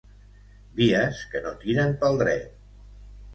Vies que no tiren pel dret.